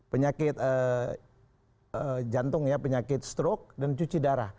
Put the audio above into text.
penyakit jantung ya penyakit stroke dan cuci darah